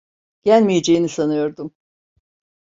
Gelmeyeceğini sanıyordum.